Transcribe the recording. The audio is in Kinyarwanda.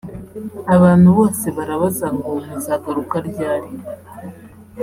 Abantu bose barabaza ngo muzagaruka ryari